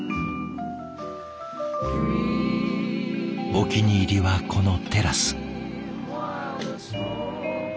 お気に入りはこのテラス。